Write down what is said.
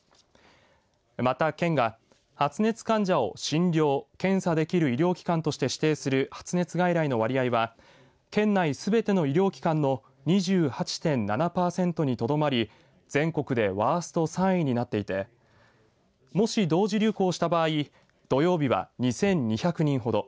また、県が発熱患者を診療検査できる医療機関として指定する発熱外来の割合は県内すべての医療機関の２８．７パーセントにとどまり全国でワースト３位になっていてもし、同時流行した場合土曜日は２２００人ほど。